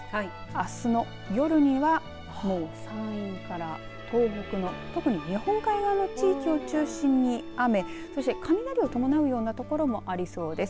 あすの夜にはもう山陰から東北の特に日本海側の地域を中心に雨雷を伴う所もありそうです。